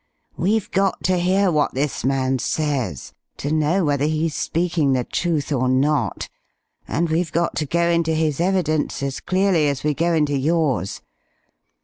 We've got to hear what this man says, to know whether he's speaking the truth or not and we've got to go into his evidence as clearly as we go into yours....